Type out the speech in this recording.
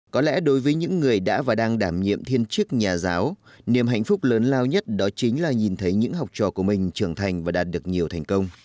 có lẽ đối với những người đã và đang đảm nhiệm thiên chức nhà giáo niềm hạnh phúc lớn lao nhất đó chính là nhìn thấy những học trò của mình trưởng thành và đạt được nhiều thành công